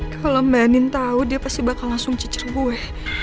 kalo mbak nin tau dia pasti bakal langsung cicer gue